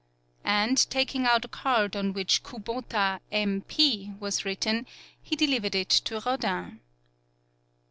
And, taking out a card on which Kubota, M. P., was written, he deliv ered it to Rodin.